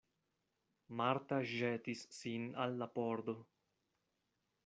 Marta ĵetis sin al la pordo.